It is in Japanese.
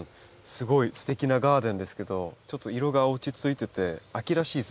すごいすてきなガーデンですけどちょっと色が落ち着いてて秋らしい姿になってますね。